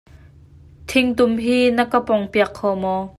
Thingtum hi na ka pong piak kho maw?